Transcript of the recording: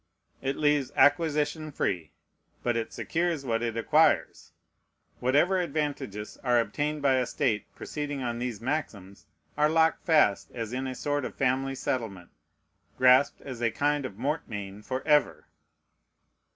It leaves acquisition free; but it secures what it acquires. Whatever advantages are obtained by a state proceeding on these maxims are locked fast as in a sort of family settlement, grasped as in a kind of mortmain forever.